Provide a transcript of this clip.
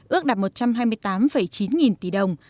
ước đạt một trăm hai mươi tám chín nghìn tỷ đồng